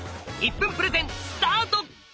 １分プレゼンスタート！